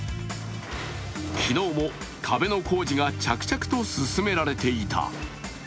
昨日も壁の工事が着々と進められていた。